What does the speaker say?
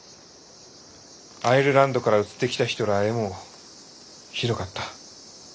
アイルランドから移ってきた人らあへもひどかった。